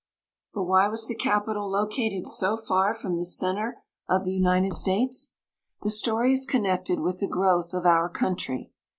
But why was the capital located so far from the center of the United States ? The story is connected with the growth of our country.